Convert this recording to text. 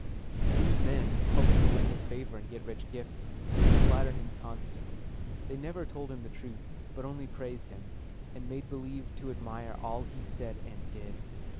These men, hoping to win his favor and get rich gifts, used to flatter him constantly. They never told him the truth, but only praised him, and made believe to admire all he said and did.